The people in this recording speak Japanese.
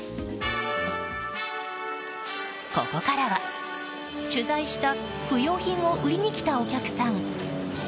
ここからは、取材した不用品を売りに来たお客さん。